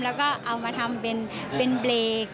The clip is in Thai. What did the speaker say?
แล้วก็เอามาทำเป็นเบรก